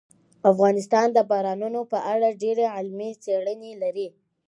افغانستان د بارانونو په اړه ډېرې علمي څېړنې لري.